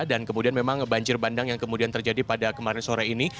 dan kemudian memang banjir bandang yang kemudian terjadi pada kemarin sore ini